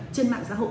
trên mạng xã hội